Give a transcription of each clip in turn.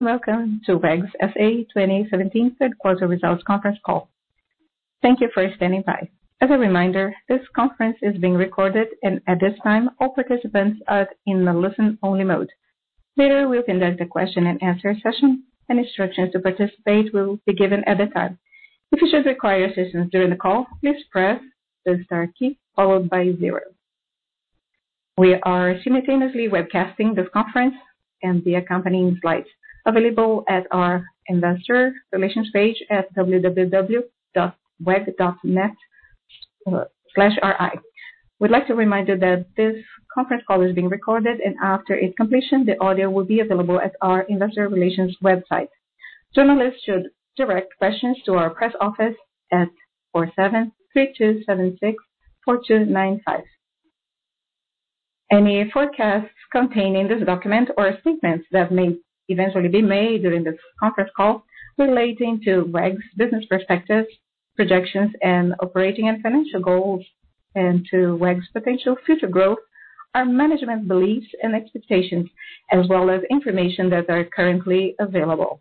Welcome to WEG SA 2017 third quarter results conference call. Thank you for standing by. As a reminder, this conference is being recorded. At this time, all participants are in the listen-only mode. Later, we'll conduct a question-and-answer session. Instructions to participate will be given at that time. If you should require assistance during the call, please press the star key followed by 0. We are simultaneously webcasting this conference and the accompanying slides available at our Investor Relations page at www.weg.net/ri. We'd like to remind you that this conference call is being recorded. After its completion, the audio will be available at our Investor Relations website. Journalists should direct questions to our press office at 4732764295. Any forecasts contained in this document or statements that may eventually be made during this conference call relating to WEG's business perspectives, projections, operating and financial goals, to WEG's potential future growth, are management beliefs and expectations as well as information that are currently available.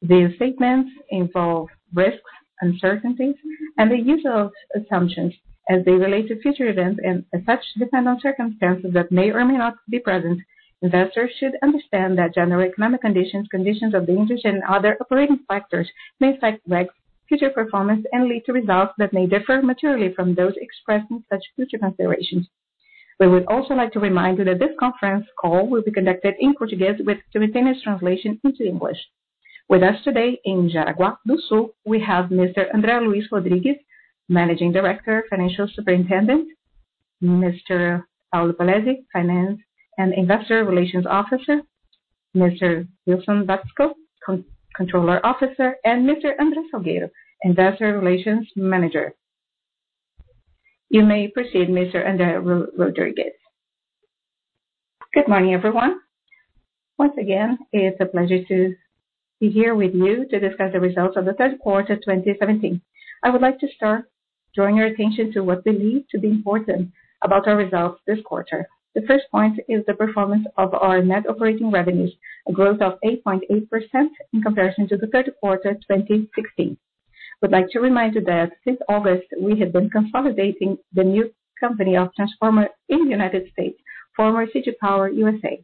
These statements involve risks, uncertainties, the usual assumptions as they relate to future events and as such depend on circumstances that may or may not be present. Investors should understand that general economic conditions of the industry and other operating factors may affect WEG's future performance and lead to results that may differ materially from those expressed in such future considerations. We would also like to remind you that this conference call will be conducted in Portuguese with simultaneous translation into English. With us today in Jaraguá do Sul, we have Mr. André Luís Rodrigues, Managing Director, Financial Superintendent, Mr. Paulo Polezi, Finance and Investor Relations Officer, Mr. Wilson Watzko, Controller Officer, and Mr. André Salgueiro, Investor Relations Manager. You may proceed, Mr. André Luís Rodrigues. Good morning, everyone. Once again, it's a pleasure to be here with you to discuss the results of the third quarter 2017. I would like to start drawing your attention to what we believe to be important about our results this quarter. The first point is the performance of our net operating revenues, a growth of 8.8% in comparison to the third quarter 2016. We'd like to remind you that since August, we have been consolidating the new company of transformers in the United States, former CG Power USA.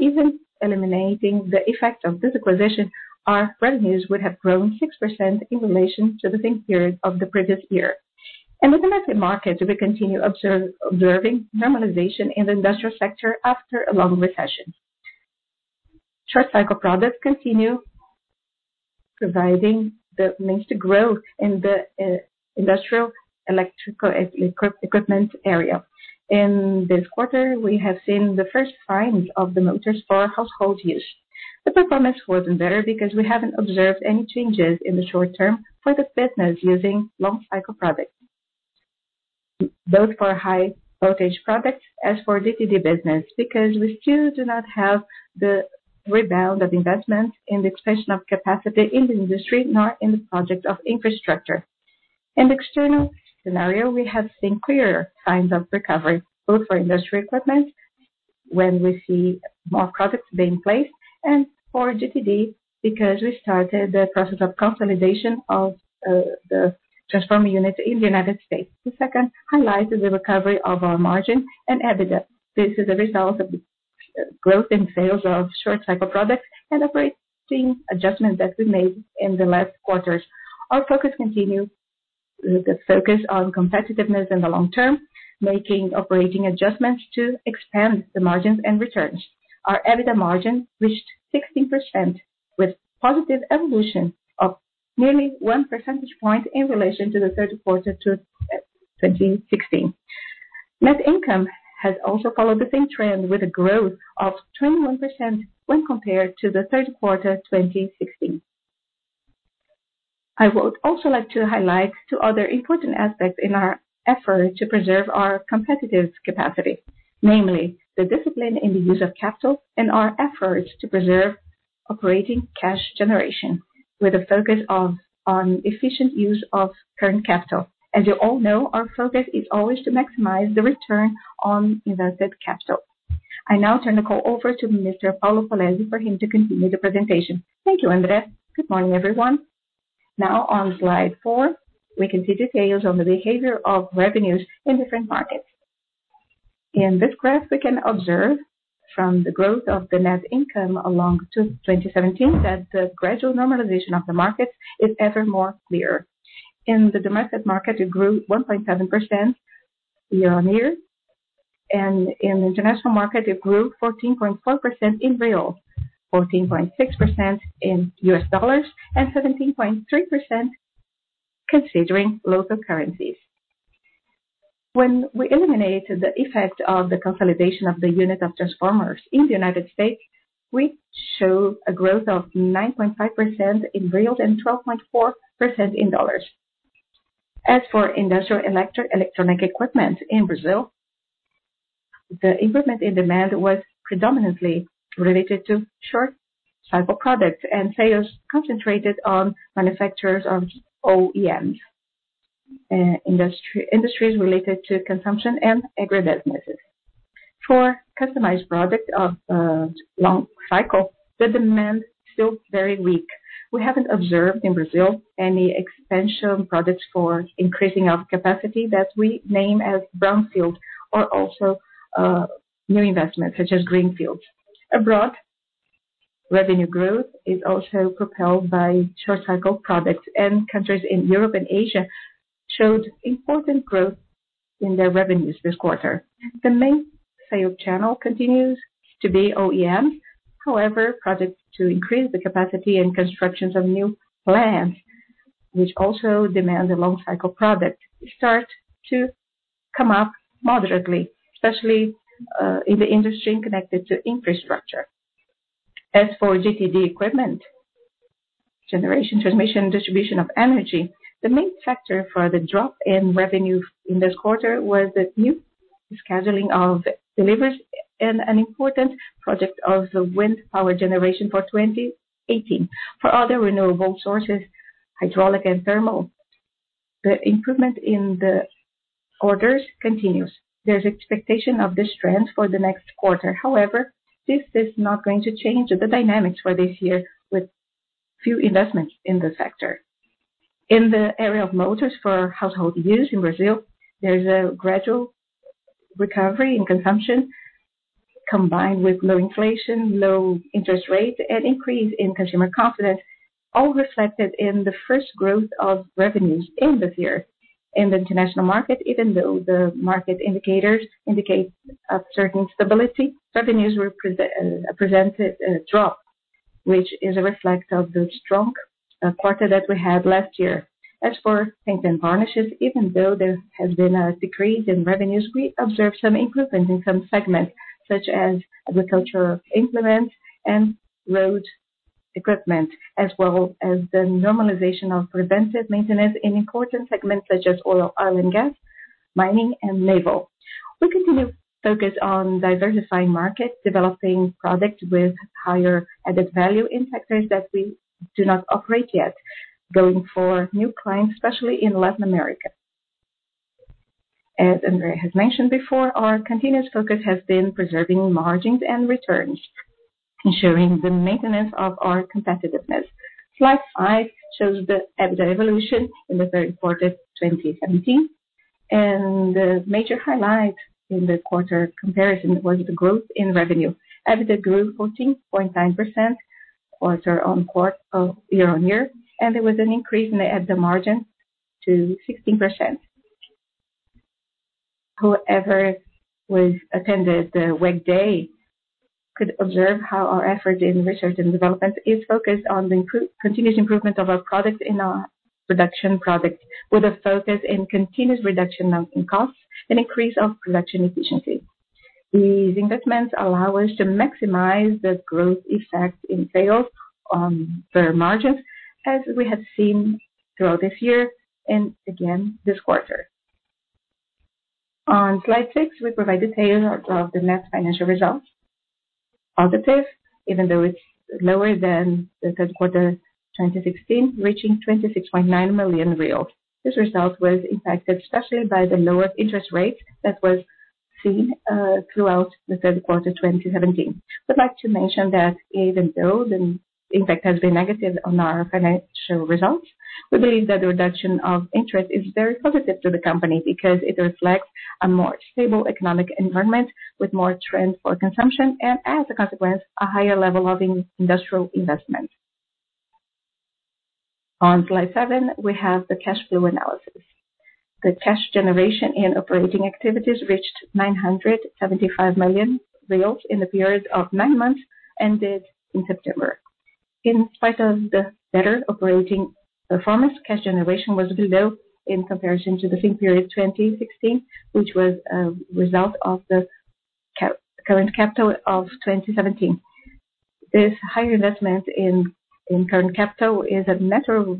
Even eliminating the effect of this acquisition, our revenues would have grown 6% in relation to the same period of the previous year. In the domestic market, we continue observing normalization in the industrial sector after a long recession. Short cycle products continue providing the means to growth in the industrial electrical equipment area. In this quarter, we have seen the first signs of the motors for household use. The performance wasn't better because we haven't observed any changes in the short term for the business using long cycle products. Both for high voltage products as for GTD business, because we still do not have the rebound of investment in the expansion of capacity in the industry, nor in the project of infrastructure. In the external scenario, we have seen clearer signs of recovery, both for industrial equipment, when we see more products being placed, and for GTD, because we started the process of consolidation of the transformer unit in the United States. The second highlight is the recovery of our margin and EBITDA. This is a result of the growth in sales of short cycle products and operating adjustments that we made in the last quarters. Our focus continue with the focus on competitiveness in the long term, making operating adjustments to expand the margins and returns. Our EBITDA margin reached 16%, with positive evolution of nearly one percentage point in relation to the third quarter 2016. Net income has also followed the same trend with a growth of 21% when compared to the third quarter 2016. I would also like to highlight two other important aspects in our effort to preserve our competitive capacity. Namely, the discipline in the use of capital and our efforts to preserve operating cash generation with a focus on efficient use of current capital. As you all know, our focus is always to maximize the return on invested capital. I now turn the call over to Mr. Paulo Polezi for him to continue the presentation. Thank you, André. Good morning, everyone. On slide four, we can see details on the behavior of revenues in different markets. In this graph, we can observe from the growth of the net income along 2017 that the gradual normalization of the market is ever more clear. In the domestic market, it grew 1.7% year-on-year. In the international market, it grew 14.4% in BRL, 14.6% in U.S. dollars, and 17.3% considering local currencies. When we eliminate the effect of the consolidation of the unit of Transformers in the United States, we show a growth of 9.5% in BRL and 12.4% in USD. As for industrial electric electronic equipment in Brazil, the improvement in demand was predominantly related to short cycle products and sales concentrated on manufacturers of OEMs. Industries related to consumption and agribusinesses. For customized product of long cycle, the demand is still very weak. We haven't observed, in Brazil, any expansion products for increasing of capacity that we name as brownfield, or also new investments such as greenfield. Abroad, revenue growth is also propelled by short cycle products, and countries in Europe and Asia showed important growth in their revenues this quarter. The main sale channel continues to be OEM. Projects to increase the capacity and constructions of new plants, which also demand a long cycle product, start to come up moderately, especially in the industry connected to infrastructure. As for GTD equipment, generation, transmission, and distribution of energy, the main factor for the drop in revenue in this quarter was the new scheduling of deliveries and an important project of the wind power generation for 2018. For other renewable sources, hydraulic and thermal, the improvement in the orders continues. There's expectation of this trend for the next quarter. This is not going to change the dynamics for this year with few investments in the sector. In the area of motors for household use in Brazil, there is a gradual recovery in consumption, combined with low inflation, low interest rates, and increase in consumer confidence, all reflected in the first growth of revenues in this year. In the international market, even though the market indicators indicate a certain stability, revenues presented a drop, which is a reflection of the strong quarter that we had last year. As for paints and varnishes, even though there has been a decrease in revenues, we observed some improvement in some segments, such as agriculture implements and road equipment, as well as the normalization of preventive maintenance in important segments such as oil and gas, mining, and naval. We continue to focus on diversifying markets, developing products with higher added value in sectors that we do not operate yet, going for new clients, especially in Latin America. As André has mentioned before, our continuous focus has been preserving margins and returns, ensuring the maintenance of our competitiveness. Slide five shows the EBITDA evolution in the third quarter 2017. The major highlight in the quarter comparison was the growth in revenue. EBITDA grew 14.9% year-on-year, and there was an increase in the EBITDA margin to 16%. Whoever attended the WEG Day could observe how our effort in research and development is focused on the continuous improvement of our products in our production, with a focus on continuous reduction of costs and increase of production efficiency. These investments allow us to maximize the growth effect in sales on the margins, as we have seen throughout this year and again this quarter. On slide six, we provide detail of the net financial results. Positive, even though it's lower than the third quarter 2016, reaching 26.9 million reais. This result was impacted especially by the lower interest rate that was seen throughout the third quarter 2017. We'd like to mention that even though the impact has been negative on our financial results, we believe that the reduction of interest is very positive to the company because it reflects a more stable economic environment with a greater trend for consumption and, as a consequence, a higher level of industrial investment. On slide seven, we have the cash flow analysis. The cash generation in operating activities reached 975 million reais in the period of nine months ended in September. In spite of the better operating performance, cash generation was lower in comparison to the same period 2016, which was a result of the working capital of 2017. This higher investment in working capital is a natural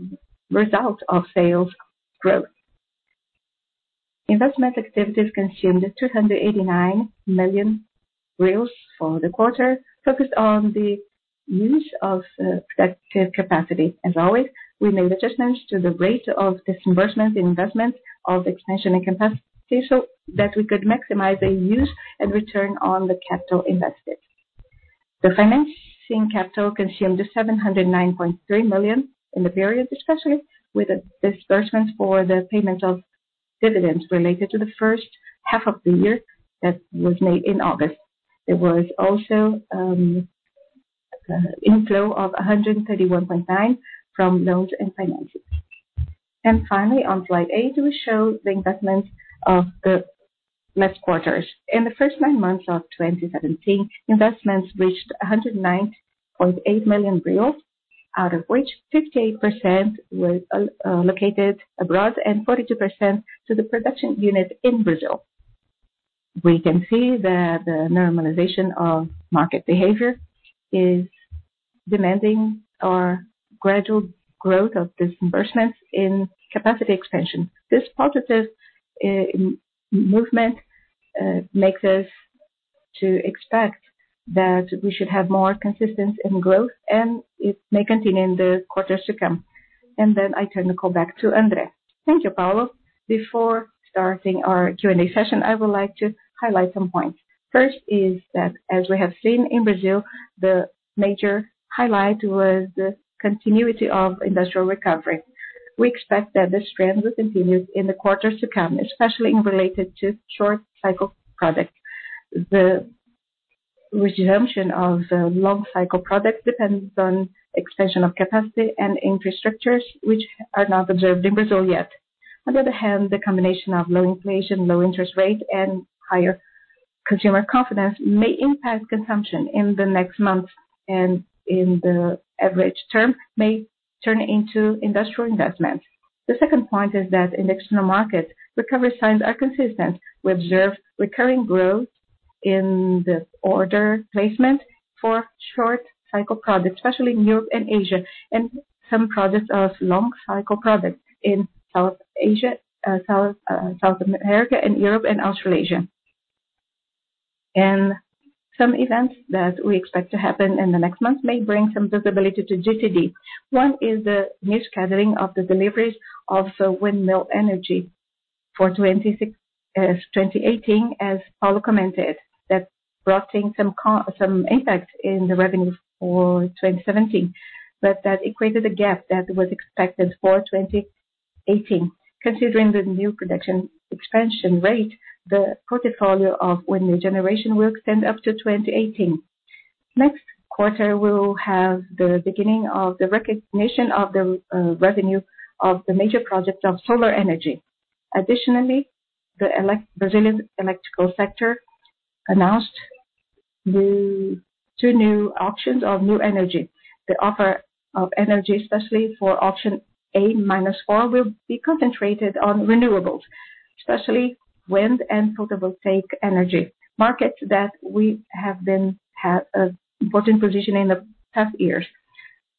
result of sales growth. Investment activities consumed 289 million for the quarter, focused on the use of productive capacity. As always, we made adjustments to the rate of disbursement for investment in expansion and capacity so that we could maximize the use and return on the capital invested. The financing activities consumed 709.3 million in the period, especially with the disbursements for the payment of dividends related to the first half of the year that was made in August. There was also inflow of 131.9 from loans and financings. Finally, on slide eight, we show the investment of the last quarters. In the first nine months of 2017, investments reached 109.8 million reais, out of which 58% was allocated abroad and 42% to the production unit in Brazil. We can see that the normalization of market behavior is demanding a gradual growth of disbursements in capacity expansion. This positive movement makes us expect that we should have more consistency in growth, and it may continue in the quarters to come. I turn the call back to André. Thank you, Paulo. Before starting our Q&A session, I would like to highlight some points. First, as we have seen in Brazil, the major highlight was the continuity of industrial recovery. We expect that this trend will continue in the quarters to come, especially related to short cycle products. The resumption of long cycle products depends on expansion of capacity and infrastructures, which are not observed in Brazil yet. On the other hand, the combination of low inflation, low interest rates, and higher consumer confidence may impact consumption in the next months, and in the average term, may turn into industrial investments. The second point, in the external market, recovery signs are consistent. We observe recurring growth in the order placement for short cycle products, especially in Europe and Asia, and some projects of long cycle products in South America and Europe and Australasia. Some events that we expect to happen in the next month may bring some visibility to GTD. One is the scheduling of the deliveries of the windmill energy for 2018, as Paulo commented, that brought in some impact in the revenue for 2017. That created a gap that was expected for 2018. Considering the new production expansion rate, the portfolio of windmill generation will extend up to 2018. Next quarter, we will have the beginning of the recognition of the revenue of the major projects of solar energy. Additionally, the Brazilian electrical sector announced the 2 new auctions of new energy. The offer of energy, especially for auction A-4, will be concentrated on renewables, especially wind and photovoltaic energy, markets that we had important position in the past years.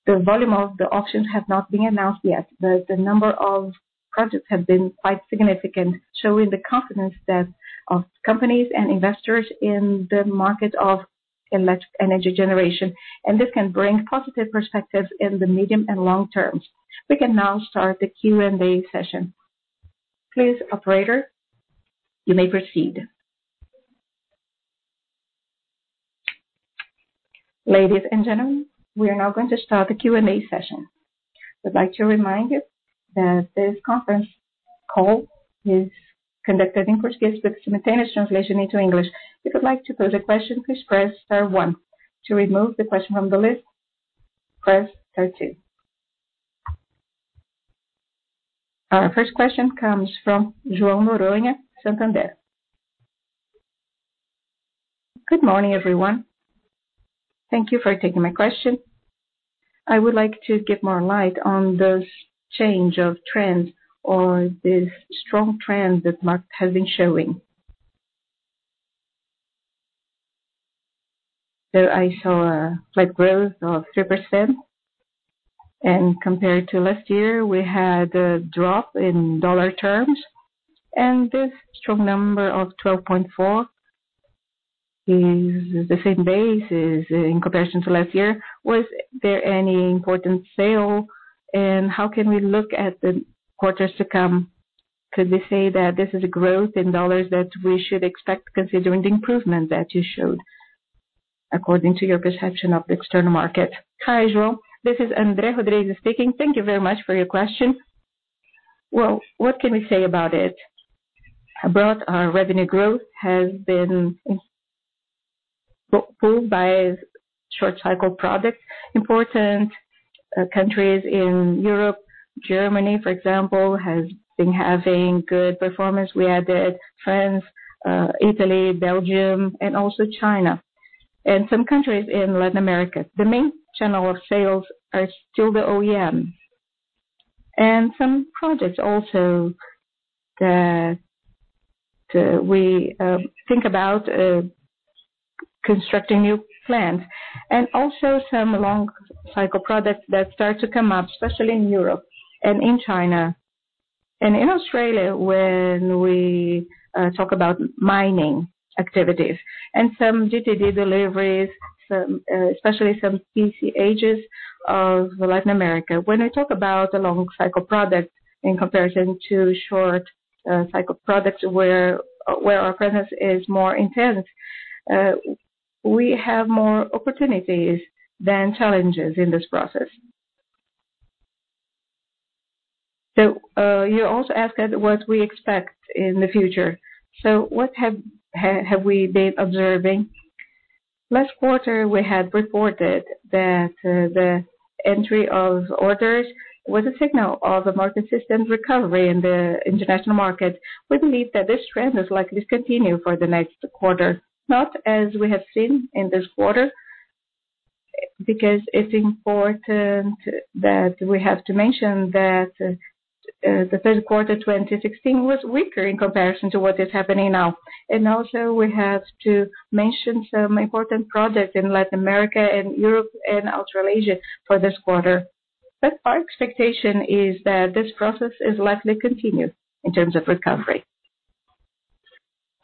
The volume of the auctions has not been announced yet, but the number of projects have been quite significant, showing the confidence of companies and investors in the market of electric energy generation. This can bring positive perspectives in the medium and long term. We can now start the Q&A session. Please, operator, you may proceed. Ladies and gentlemen, we are now going to start the Q&A session. We'd like to remind you that this conference call is conducted in Portuguese with simultaneous translation into English. If you would like to pose a question, please press star 1. To remove the question from the list, press star 2. Our first question comes from João Moronia, Santander. Good morning, everyone. Thank you for taking my question. I would like to get more light on this change of trend or this strong trend that market has been showing. I saw a flat growth of 3%, and compared to last year, we had a drop in USD terms. This strong number of 12.4 is the same base as in comparison to last year. Was there any important sale, and how can we look at the quarters to come? Could we say that this is a growth in USD that we should expect, considering the improvement that you showed according to your perception of the external market? Hi, João. This is André Rodrigues speaking. Thank you very much for your question. Well, what can we say about it? Abroad, our revenue growth has been pulled by short cycle products. Important countries in Europe, Germany, for example, has been having good performance. We added France, Italy, Belgium, and also China, and some countries in Latin America. The main channel of sales are still the OEMs. Some projects also that we think about constructing new plants, and also some long cycle products that start to come up, especially in Europe and in China. In Australia, when we talk about mining activities and some GTD deliveries, especially some PCHs of Latin America. When I talk about the long cycle products in comparison to short cycle products, where our presence is more intense, we have more opportunities than challenges in this process. You also asked what we expect in the future. What have we been observing? Last quarter, we had reported that the entry of orders was a signal of the market system's recovery in the international market. We believe that this trend is likely to continue for the next quarter, not as we have seen in this quarter, because it is important that we have to mention that the third quarter 2016 was weaker in comparison to what is happening now. Also we have to mention some important projects in Latin America and Europe and Australasia for this quarter. Our expectation is that this process is likely to continue in terms of recovery.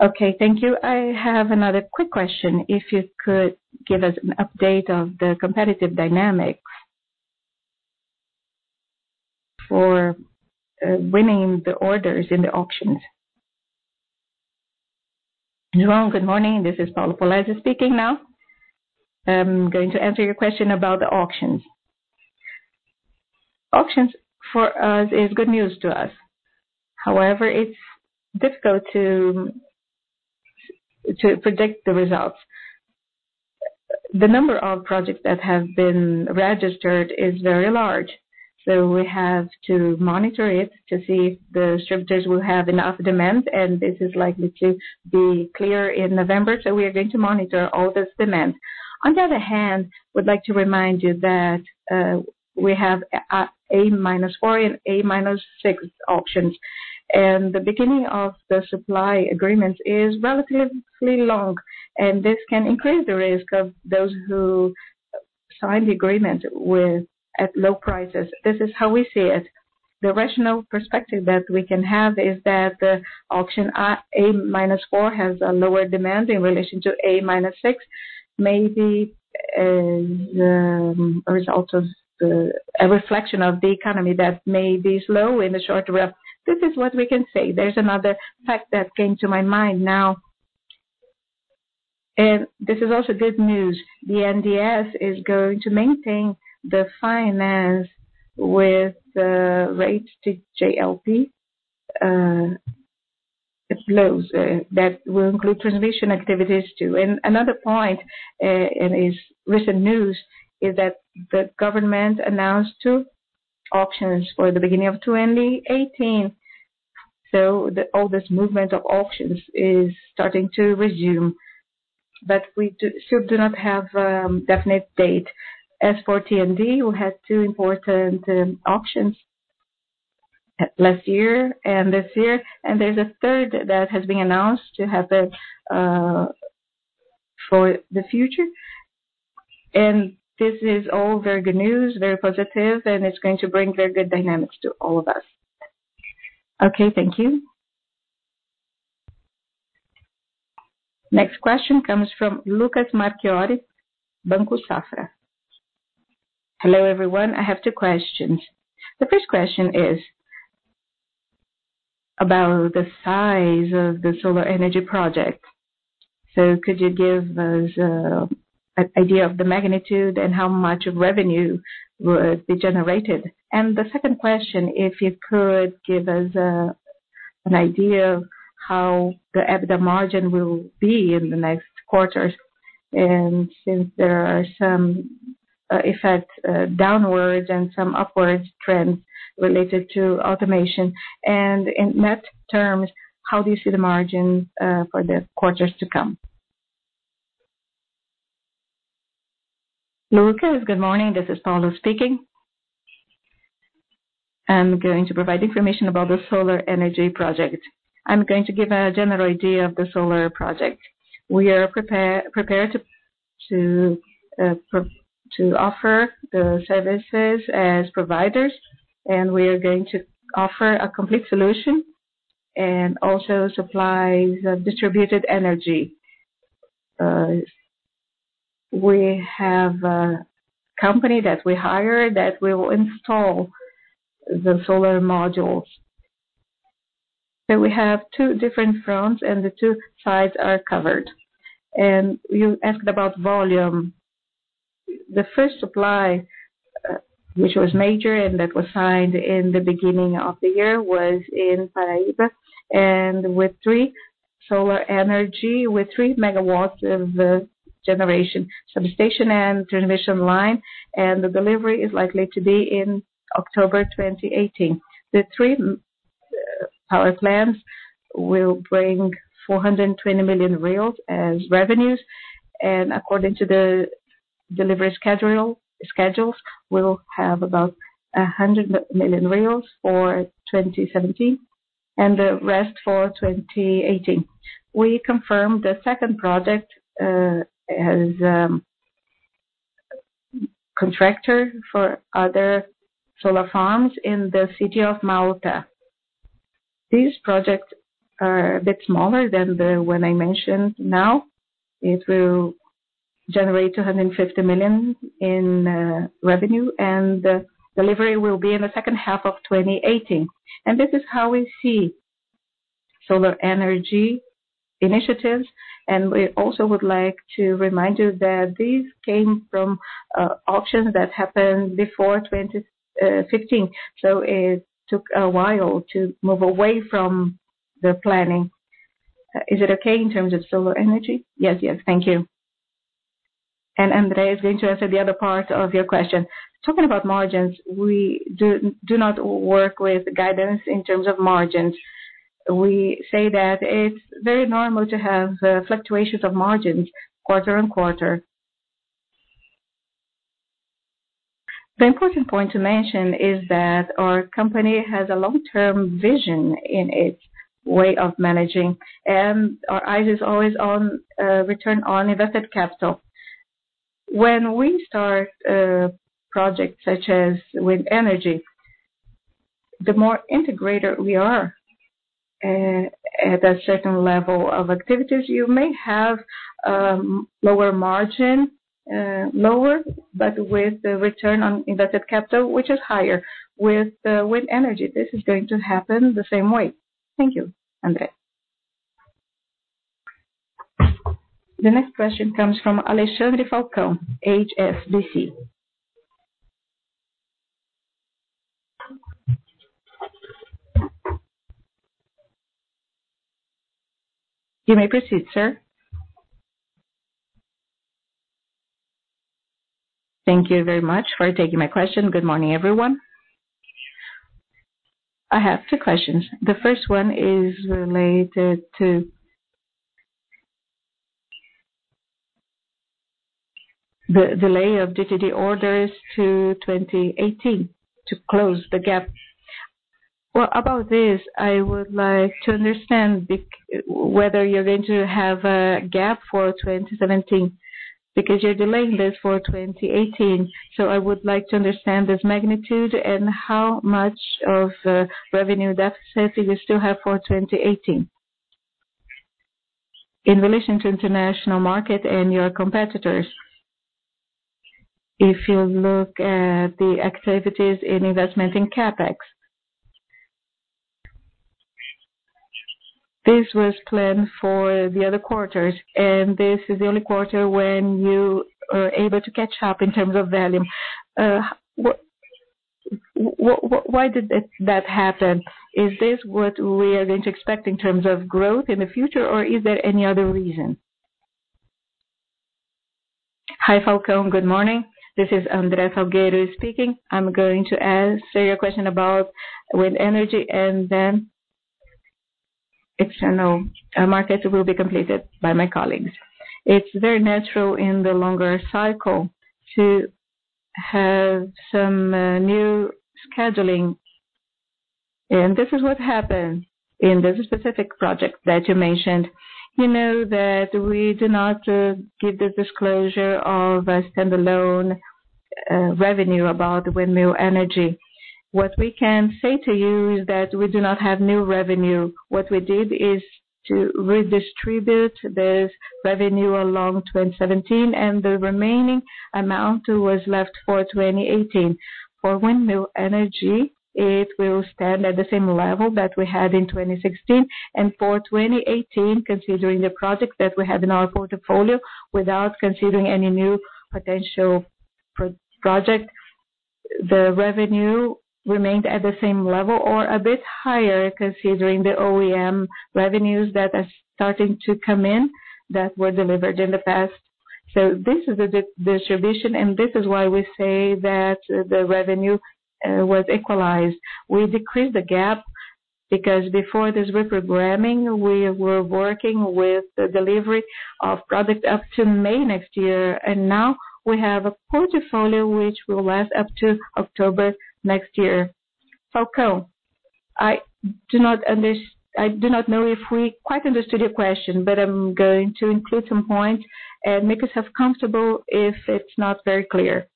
Okay, thank you. I have another quick question. If you could give us an update of the competitive dynamics for winning the orders in the auctions. João, good morning. This is Paulo Polezi speaking now. I am going to answer your question about the auctions. Auctions for us is good news to us. However, it is difficult to predict the results. The number of projects that have been registered is very large. We have to monitor it to see if the distributors will have enough demand, and this is likely to be clear in November. We are going to monitor all this demand. On the other hand, we would like to remind you that we have A-4 and A-6 auctions, and the beginning of the supply agreements is relatively long, and this can increase the risk of those who signed the agreement at low prices. This is how we see it. The rational perspective that we can have is that the auction A-4 has a lower demand in relation to A-6, maybe a reflection of the economy that may be slow in the short run. This is what we can say. There is another fact that came to my mind now. This is also good news. BNDES is going to maintain the finance with the rates TJLP. It flows. That will include transmission activities, too. Another point, and it is recent news, is that the government announced two auctions for the beginning of 2018. All this movement of auctions is starting to resume. We still do not have a definite date. As for T&D, who had two important auctions last year and this year, and there is a third that has been announced to happen for the future. This is all very good news, very positive, and it is going to bring very good dynamics to all of us. Okay, thank you. Next question comes from Lucas Marquiori, Banco Safra. Hello, everyone. I have two questions. The first question is about the size of the solar energy project. Could you give us an idea of the magnitude and how much revenue would be generated? The second question, if you could give us an idea of how the EBITDA margin will be in the next quarters, since there are some effects downwards and some upwards trends related to automation, in net terms, how do you see the margin for the quarters to come? Lucas Marquiori, good morning. This is Paulo Polezi speaking. I'm going to provide information about the solar energy project. I'm going to give a general idea of the solar project. We are prepared to offer the services as providers, we are going to offer a complete solution and also supply the distributed energy. We have a company that we hired that will install the solar modules. We have two different fronts, the two sides are covered. You asked about volume. The first supply, which was major and that was signed in the beginning of the year, was in Paraíba, with 3 solar energy, with 3 MW of generation substation and transmission line. The delivery is likely to be in October 2018. The 3 power plants will bring 420 million reais as revenues, according to the delivery schedules, we'll have about 100 million reais for 2017 and the rest for 2018. We confirmed the second project as contractor for other solar farms in the city of Mauá. These projects are a bit smaller than the one I mentioned now. It will generate 250 million in revenue, delivery will be in the second half of 2018. This is how we see solar energy initiatives. We also would like to remind you that these came from auctions that happened before 2015. It took a while to move away from the planning. Is it okay in terms of solar energy? Yes. Thank you. André is going to answer the other part of your question. Talking about margins, we do not work with guidance in terms of margins. We say that it's very normal to have fluctuations of margins quarter and quarter. The important point to mention is that our company has a long-term vision in its Way of managing. Our eyes is always on return on invested capital. When we start a project such as with energy, the more integrator we are at a certain level of activities, you may have lower margin, lower but with the return on invested capital, which is higher. With wind energy, this is going to happen the same way. Thank you, André. The next question comes from Alexandre Falcão, HSBC. You may proceed, sir. Thank you very much for taking my question. Good morning, everyone. I have two questions. The first one is related to the delay of GTD orders to 2018 to close the gap. About this, I would like to understand whether you're going to have a gap for 2017 because you're delaying this for 2018. I would like to understand this magnitude and how much of revenue deficit you still have for 2018. In relation to international market and your competitors, if you look at the activities in investment in CapEx. This was planned for the other quarters, this is the only quarter when you are able to catch up in terms of volume. Why did that happen? Is this what we are going to expect in terms of growth in the future, or is there any other reason? Hi, Falcão. Good morning. This is André Salgueiro speaking. I'm going to answer your question about wind energy. Then external markets will be completed by my colleagues. It's very natural in the longer cycle to have some new scheduling. This is what happened in the specific project that you mentioned. You know that we do not give the disclosure of a standalone revenue about windmill energy. What we can say to you is that we do not have new revenue. What we did is to redistribute this revenue along 2017. The remaining amount was left for 2018. For windmill energy, it will stand at the same level that we had in 2016. For 2018, considering the project that we have in our portfolio, without considering any new potential project, the revenue remained at the same level or a bit higher considering the OEM revenues that are starting to come in that were delivered in the past. This is the distribution. This is why we say that the revenue was equalized. We decreased the gap because before this reprogramming, we were working with the delivery of product up to May next year. Now we have a portfolio which will last up to October next year. Falcão, I do not know if we quite understood your question. I'm going to include some points and make yourself comfortable if it's not very clear.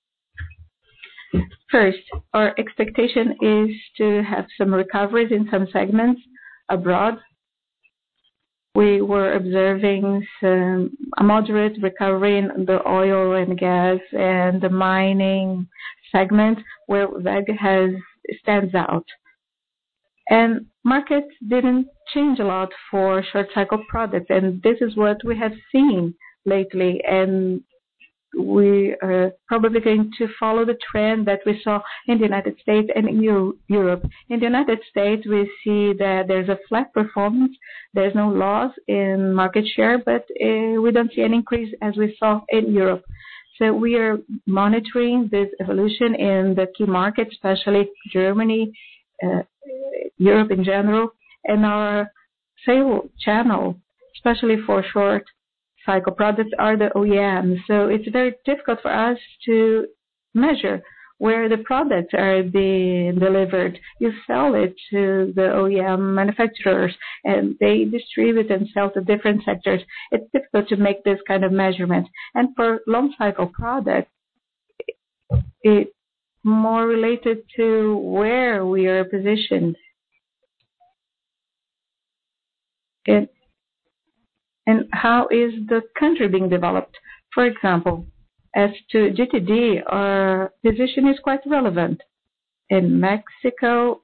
First, our expectation is to have some recoveries in some segments abroad. We were observing some moderate recovery in the oil and gas and the mining segment where WEG stands out. Markets didn't change a lot for short cycle products. This is what we have seen lately. We are probably going to follow the trend that we saw in the U.S. and Europe. In the U.S., we see that there's a flat performance. There's no loss in market share, but we don't see an increase as we saw in Europe. We are monitoring this evolution in the key market, especially Germany, Europe in general. Our sale channel, especially for short cycle products are the OEM. It's very difficult for us to measure where the products are being delivered. You sell it to the OEM manufacturers. They distribute themselves to different sectors. It's difficult to make this kind of measurement. For long cycle products, it's more related to where we are positioned. How is the country being developed? For example, as to GTD, our position is quite relevant in Mexico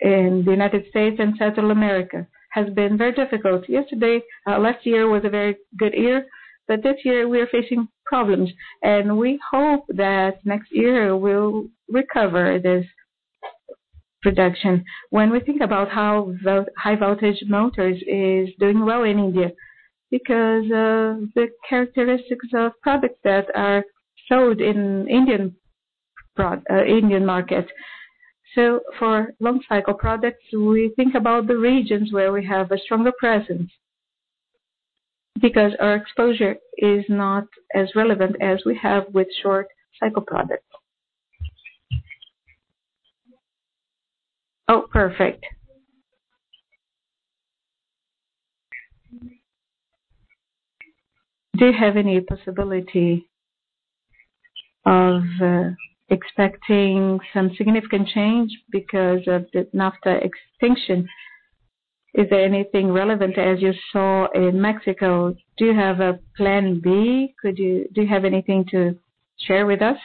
and the U.S. Central America has been very difficult. Last year was a very good year. This year we are facing problems. We hope that next year we'll recover this production. When we think about how high voltage motors is doing well in India because the characteristics of products that are sold in Indian market. For long cycle products, we think about the regions where we have a stronger presence because our exposure is not as relevant as we have with short cycle products. Perfect. Do you have any possibility of expecting some significant change because of the NAFTA extinction? Is there anything relevant as you saw in Mexico? Do you have a plan B? Do you have anything to share with us?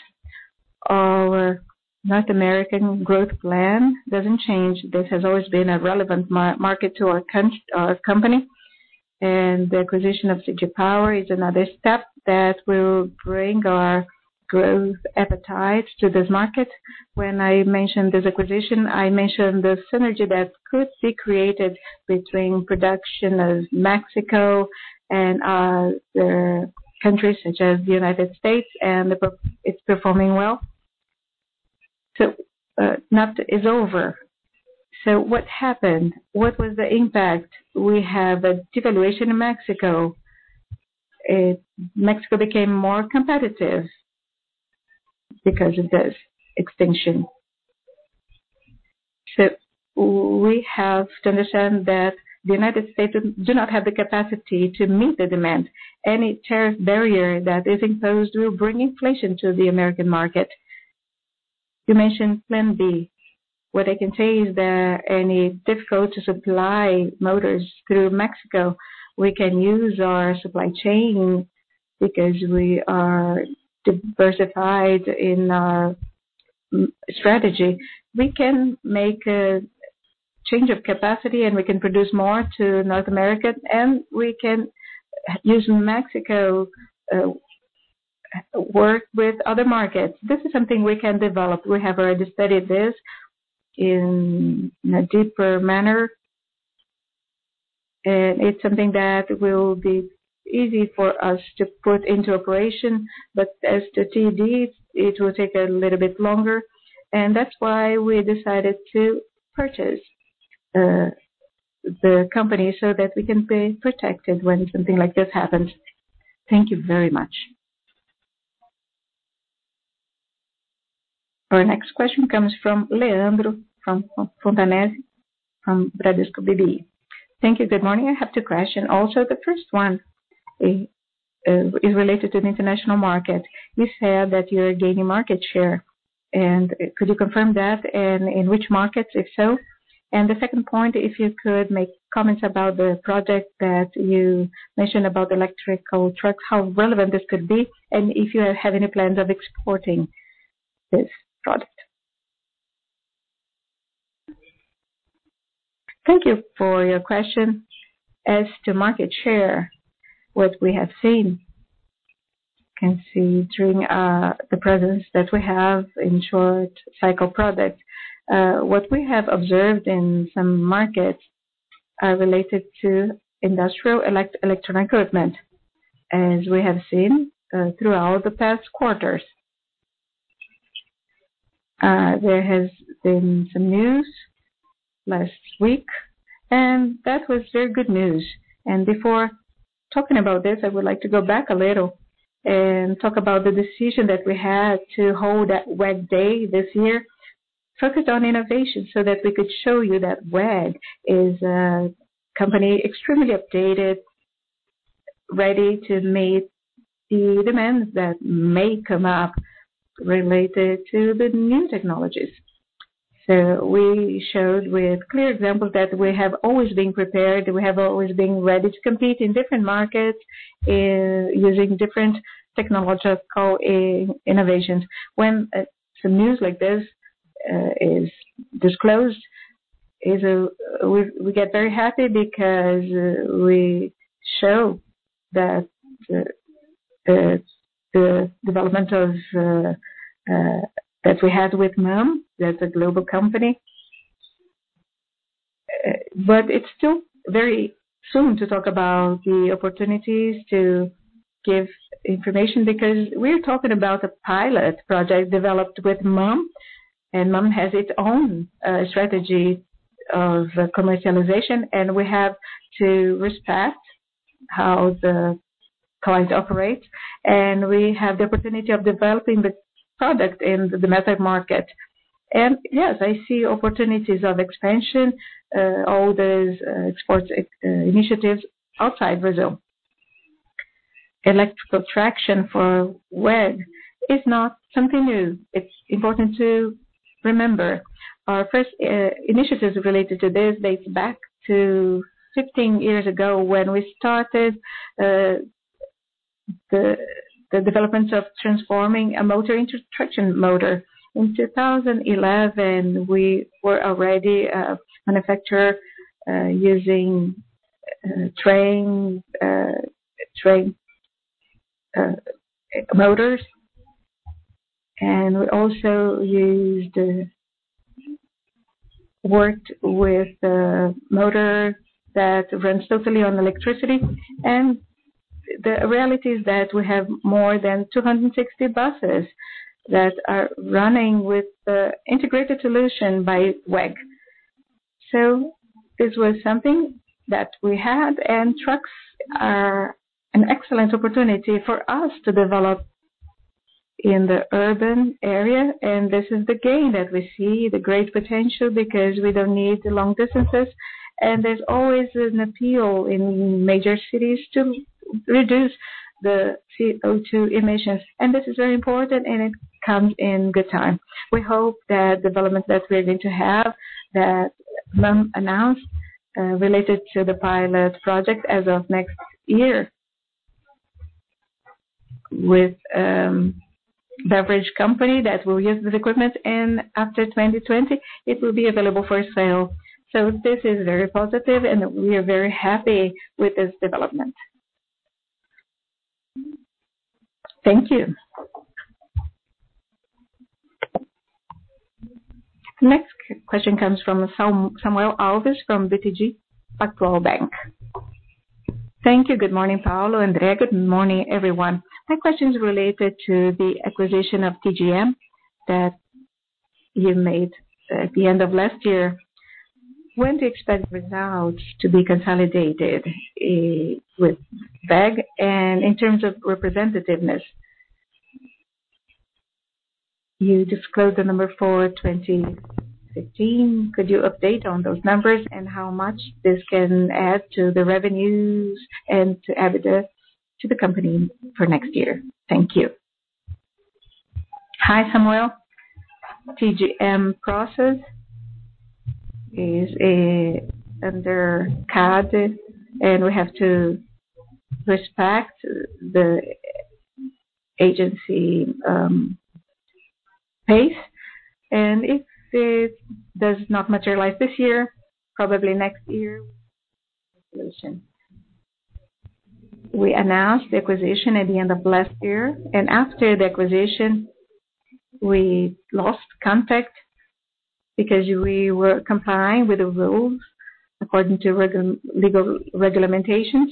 Our North American growth plan doesn't change. This has always been a relevant market to our company, and the acquisition of CG Power is another step that will bring our growth appetite to this market. When I mentioned this acquisition, I mentioned the synergy that could be created between production of Mexico and other countries such as the United States, and it's performing well. NAFTA is over. What happened? What was the impact? We have a devaluation in Mexico. Mexico became more competitive because of this extinction. We have to understand that the United States do not have the capacity to meet the demand. Any tariff barrier that is imposed will bring inflation to the American market. You mentioned plan B. What I can say is that any difficulty to supply motors through Mexico, we can use our supply chain because we are diversified in our strategy. We can make a change of capacity, and we can produce more to North America, and we can use Mexico, work with other markets. This is something we can develop. We have already studied this in a deeper manner. It's something that will be easy for us to put into operation, but as the T&D, it will take a little bit longer, and that's why we decided to purchase the company so that we can be protected when something like this happens. Thank you very much. Our next question comes from Leandro Fontanesi from Bradesco BBI. Thank you. Good morning. I have two questions. Also, the first one is related to the international market. You said that you're gaining market share. Could you confirm that, and in which markets, if so? The second point, if you could make comments about the project that you mentioned about electrical trucks, how relevant this could be, and if you have any plans of exporting this product. Thank you for your question. As to market share, what we have seen, can see during the presence that we have in short cycle products. What we have observed in some markets are related to industrial electronic equipment, as we have seen throughout the past quarters. There has been some news last week, and that was very good news. Before talking about this, I would like to go back a little and talk about the decision that we had to hold at WEG Day this year, focused on innovation so that we could show you that WEG is a company extremely updated, ready to meet the demands that may come up related to the new technologies. We showed with clear examples that we have always been prepared, we have always been ready to compete in different markets using different technological innovations. When some news like this is disclosed, we get very happy because we show the development that we had with MAN. That's a global company. It's still very soon to talk about the opportunities to give information, because we're talking about a pilot project developed with MAN, and MAN has its own strategy of commercialization, and we have to respect how the client operates. We have the opportunity of developing the product in the domestic market. Yes, I see opportunities of expansion, all these export initiatives outside Brazil. Electrical traction for WEG is not something new. It is important to remember. Our first initiatives related to this dates back to 15 years ago when we started the development of transforming a motor into traction motor. In 2011, we were already a manufacturer using train motors. We also worked with a motor that runs totally on electricity. The reality is that we have more than 260 buses that are running with the integrated solution by WEG. This was something that we had, and trucks are an excellent opportunity for us to develop in the urban area. This is the gain that we see, the great potential, because we do not need the long distances, and there is always an appeal in major cities to reduce the CO2 emissions. This is very important, and it comes in good time. We hope that development that we are going to have, that Lum announced, related to the pilot project as of next year. With a beverage company that will use this equipment, and after 2020, it will be available for sale. This is very positive, and we are very happy with this development. Thank you. The next question comes from Samuel Alves from BTG Pactual. Thank you. Good morning, Paulo and André. Good morning, everyone. My question is related to the acquisition of TGM that you made at the end of last year. When do you expect results to be consolidated with WEG? In terms of representativeness, you disclosed the number for 2015. Could you update on those numbers and how much this can add to the revenues and to EBITDA to the company for next year? Thank you. Hi, Samuel. TGM process is under CADE, and we have to respect the agency pace. If it does not materialize this year, probably next year. We announced the acquisition at the end of last year. After the acquisition, we lost contact because we were complying with the rules according to legal regulations.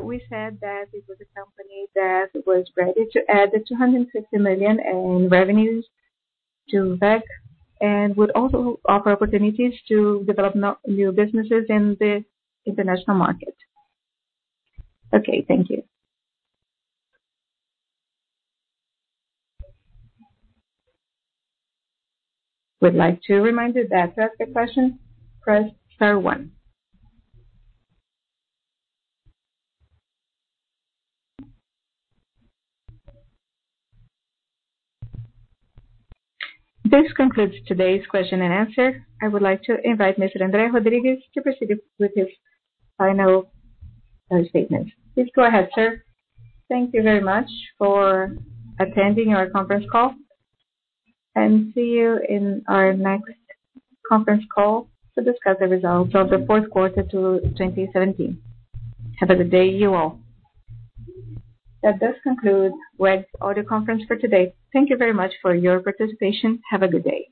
We said that it was a company that was ready to add 250 million in revenues to WEG and would also offer opportunities to develop new businesses in the international market. Okay, thank you. We would like to remind you that to ask a question, press star one. This concludes today's question and answer. I would like to invite Mr. André Luís Rodrigues to proceed with his final statement. Please go ahead, sir. Thank you very much for attending our conference call. See you in our next conference call to discuss the results of the fourth quarter to 2017. Have a good day, you all. That does conclude WEG's audio conference for today. Thank you very much for your participation. Have a good day.